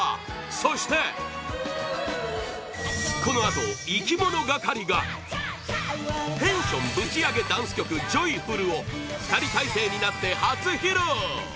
そしてこのあと、いきものがかりがテンションぶちアゲダンス曲「じょいふる」を２人体制になって初披露！